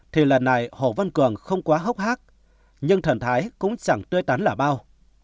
thì lần này hồ văn cường không quá hốc hát nhưng thần thái cũng chẳng tươi tán lả bao